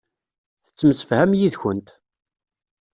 Tettemsefham yid-kent.